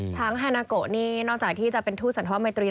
ช้างฮานาโกะนี่นอกจากที่จะเป็นทูตสันธวมัยตรี